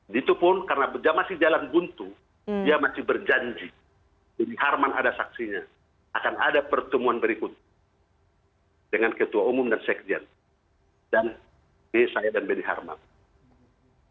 ditu pun karena dia masih jalan buntu dia masih berjanji beni harman ada saksinya akan ada pertemuan berikut dengan ketua umum dan sekjen dan b saya dan beni harman